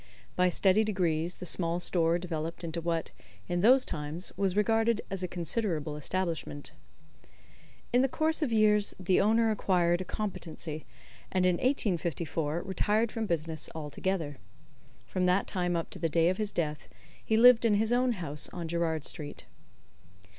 By steady degrees the small store developed into what, in those times, was regarded as a considerable establishment. In the course of years the owner acquired a competency, and in 1854 retired from business altogether. From that time up to the day of his death he lived in his own house on Gerrard Street.